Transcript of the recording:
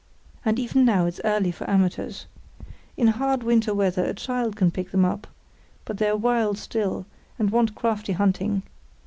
And even now it's early for amateurs. In hard winter weather a child can pick them up; but they're wild still, and want crafty hunting.